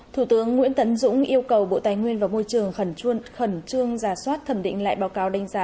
thủ tướng nguyễn tấn dũng yêu cầu bộ tài nguyên và môi trường khẩn trương khẩn trương giả soát thẩm định lại báo cáo đánh giá